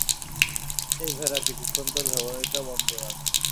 এই ভেড়া, কিছুক্ষণ তোর ভ্যাবানিটা বন্ধ রাখ।